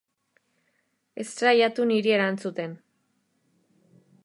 Ez saiatu niri erantzuten.